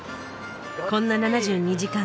こんな「７２時間」